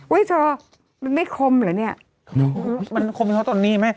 เฮ้ยเธอมันไม่คมเหรอเนี้ยมันคมเพราะตรงนี้ไหม